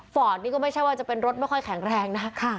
นี่ก็ไม่ใช่ว่าจะเป็นรถไม่ค่อยแข็งแรงนะ